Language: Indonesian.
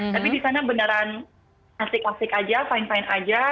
tapi di sana beneran asik asik aja